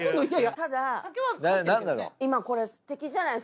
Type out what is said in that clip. ただ今これすてきじゃないですか。